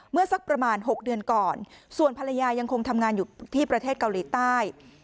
สักประมาณ๖เดือนก่อนส่วนภรรยายังคงทำงานอยู่ที่ประเทศเกาหลีใต้